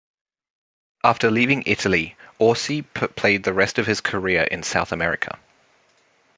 After leaving Italy, Orsi played the rest of his career in South America.